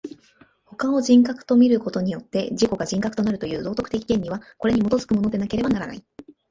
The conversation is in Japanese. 他を人格と見ることによって自己が人格となるという道徳的原理は、これに基づくものでなければならない。